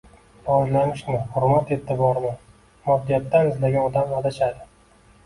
Rivojlanishni, hurmat-e’tiborni moddiyatdan izlagan odam adashadi.